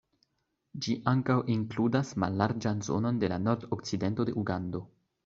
Ĝi ankaŭ inkludas mallarĝan zonon de la nordokcidento de Ugando.